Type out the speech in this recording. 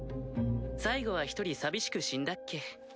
最後は一人寂しく死んだっけ。